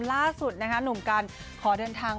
ล่าสุดนะคะหนุ่มกันขอเดินทาง